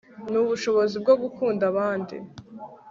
n'ubushobozi bwo gukunda abandi